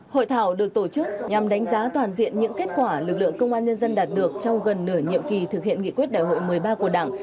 hội thảo được tổ chức nhằm đánh giá toàn diện những kết quả lực lượng công an nhân dân đạt được trong gần nửa nhiệm kỳ thực hiện nghị quyết đại hội một mươi ba của đảng